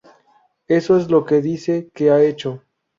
Eso es lo que dice que ha hecho.